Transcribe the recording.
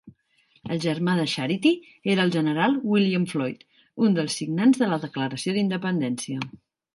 El germà de Charity era el general William Floyd, un dels signants de la Declaració d'Independència.